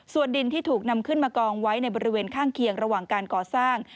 ส่วนดินที่ถูกนำขึ้นมากองไว้ในบริเวณข้างเคียงระหว่างการก่อสร้าง